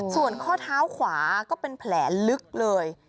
ส่วนข้อเท้าขวาก็เป็นแผลลึกเลย